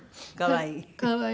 可愛い。